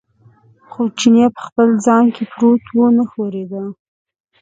خو چیني په خپل ځای کې پروت و، نه ښورېده.